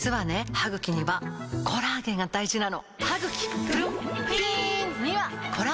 歯ぐきにはコラーゲンが大事なの！